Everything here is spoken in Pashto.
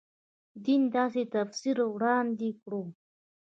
دین داسې تفسیر وړاندې کړو.